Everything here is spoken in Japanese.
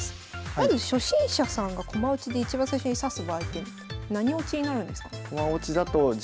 まず初心者さんが駒落ちで一番最初に指す場合って何落ちになるんですかね？